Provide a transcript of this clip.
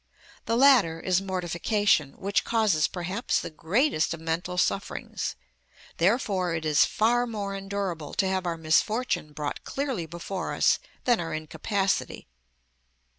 The latter is mortification, which causes perhaps the greatest of mental sufferings; therefore it is far more endurable to have our misfortune brought clearly before us than our incapacity.